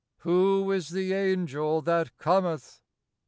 Who is the Angel that cometh